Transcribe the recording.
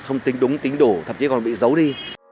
không tính đúng tính đủ thậm chí còn bị giấu đi